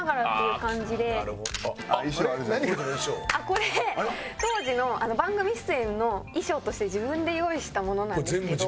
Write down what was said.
これ当時の番組出演の衣装として自分で用意したものなんですけど。